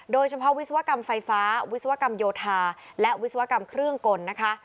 โดยเฉพาะวิศวกรรมไฟฟ้าวิศวกรรมโยธาและวิศวกรรมเครื่องกลนะคะ